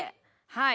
はい。